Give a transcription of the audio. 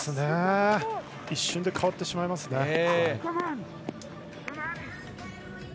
一瞬で変わってしまいますね。